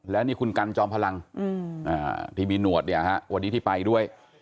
และนี่คุณกันจอมพลังที่มีหนวดเนี่ยฮะวันนี้ที่ไปด้วย